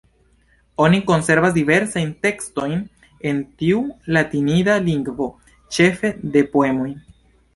Oni konservas diversajn tekstojn en tiu latinida lingvo, ĉefe de poemoj.